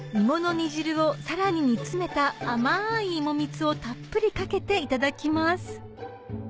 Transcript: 芋の煮汁をさらに煮詰めた甘い芋蜜をたっぷりかけていただきます